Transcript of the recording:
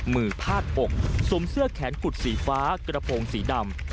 พาดอกสวมเสื้อแขนกุดสีฟ้ากระโพงสีดำ